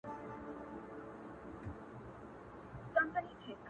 بې ډوډۍ ښه، بې کوره نه.